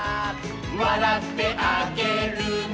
「わらってあげるね」